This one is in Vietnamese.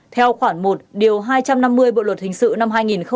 theo khoản một điều hai trăm năm mươi bộ luật hình sự năm hai nghìn một mươi năm